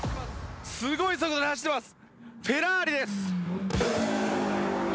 すごい速度で走っています。